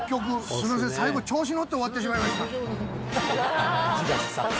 すいません最後調子に乗って終わってしまいました。